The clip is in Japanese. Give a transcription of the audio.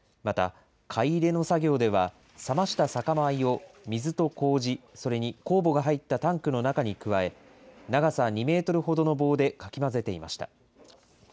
また、かい入れの作業では、冷ました酒米を水とこうじ、それに酵母が入ったタンクの中に加え、長さ２メートルほどの棒でかき混ぜていました。